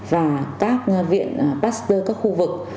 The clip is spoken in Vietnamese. và các viện pastor các khu vực